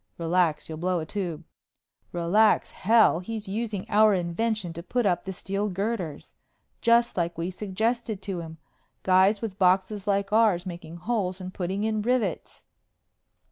"Relax. You'll blow a tube." "Relax hell! He's using our invention to put up the steel girders. Just like we suggested to him. Guys with boxes like ours making holes and putting in rivets!"